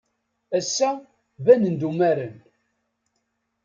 Ass-a, banen-d umaren.